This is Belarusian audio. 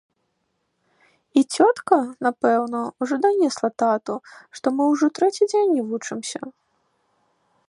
І цётка, напэўна, ужо данесла тату, што мы ўжо трэці дзень не вучымся.